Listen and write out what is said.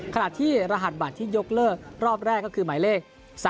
ขณะที่รหัสบัตรที่ยกเลิกรอบแรกก็คือหมายเลข๓๓